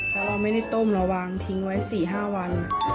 แล้วเราไม่ได้ต้มเราวางทิ้งไว้๔๕วัน